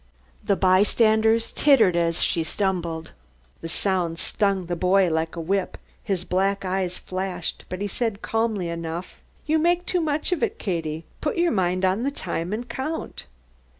The bystanders tittered as she stumbled. The sound stung the boy like a whip, his black eyes flashed, but he said calmly enough: "You make too much of it, Katie. Put your mind on the time and count."